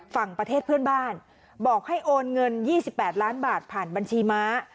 ฝั่งประเทศเพื่อนบ้านบอกให้โอนเงินยี่สิบแปดล้านบาทผ่านบัญชีม้า